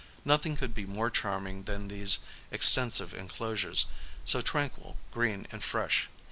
Nothing could be more charming than these extensive enclosures, so tranquil, green, and fresh.